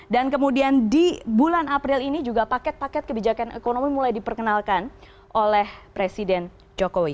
dan kemudian di bulan april ini juga paket paket kebijakan ekonomi mulai diperkenalkan oleh presiden jokowi